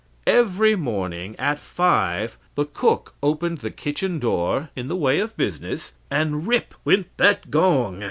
Every morning at five the cook opened the kitchen door, in the way of business, and rip went that gong!